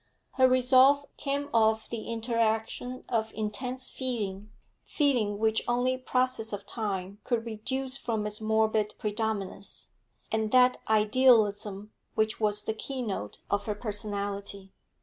Her resolve came of the interaction of intense feeling, feeling which only process of time could reduce from its morbid predominance, and that idealism which was the keynote of her personality.